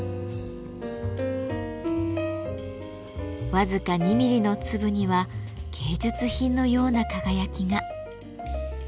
僅か２ミリの粒には芸術品のような輝きが。